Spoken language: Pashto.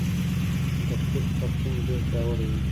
د پیل خرطوم ډیر پیاوړی وي